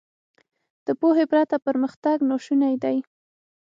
• د پوهې پرته پرمختګ ناشونی دی.